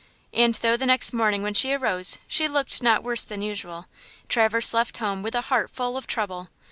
And though the next morning, when she arose, she looked not worse than usual, Traverse left home with a heart full of trouble.